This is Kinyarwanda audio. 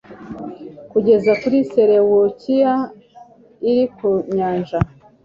kugeza kuri selewukiya iri ku nyanja